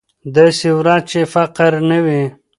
داسې ورځ چې فقر نه وي.